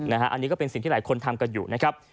อันนี้ก็เป็นสิ่งที่หลายคนทำกันอยู่นะครับ